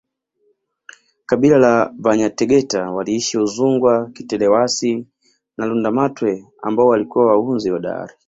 kabila la Vanyategeta waliishi udzungwa kitelewasi na Lundamatwe ambao walikuwa wahunzi hodari